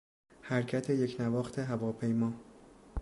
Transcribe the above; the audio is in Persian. حرکت یکنواخت هواپیما